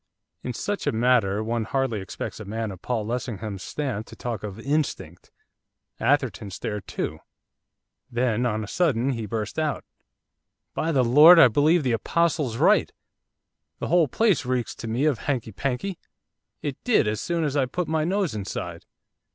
In such a matter one hardly expects a man of Paul Lessingham's stamp to talk of 'instinct.' Atherton stared too. Then, on a sudden, he burst out, 'By the Lord, I believe the Apostle's right, the whole place reeks to me of hankey pankey, it did as soon as I put my nose inside.